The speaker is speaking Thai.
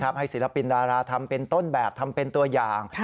ศิลปินดาราทำเป็นต้นแบบทำเป็นตัวอย่าง